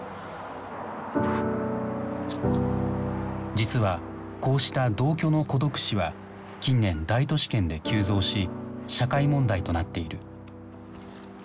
実はこうした同居の孤独死は近年大都市圏で急増し社会問題となっている。